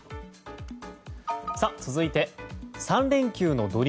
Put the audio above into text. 続いて３連休の土日